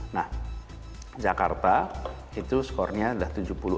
nah jakarta itu skornya adalah tujuh puluh empat